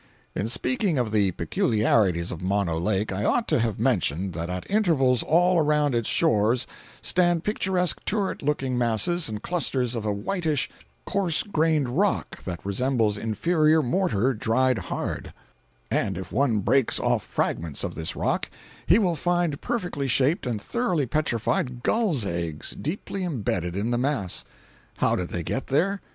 In speaking of the peculiarities of Mono Lake, I ought to have mentioned that at intervals all around its shores stand picturesque turret looking masses and clusters of a whitish, coarse grained rock that resembles inferior mortar dried hard; and if one breaks off fragments of this rock he will find perfectly shaped and thoroughly petrified gulls' eggs deeply imbedded in the mass. How did they get there?